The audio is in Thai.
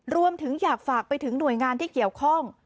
รวมถึงอยากฝากไปถึงหน่วยงานที่เกี่ยวข้อง